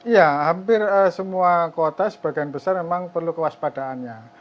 ya hampir semua kota sebagian besar memang perlu kewaspadaannya